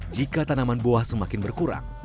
jika tanaman buah semakin berkurang